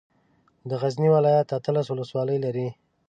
د غزني ولايت اتلس ولسوالۍ لري.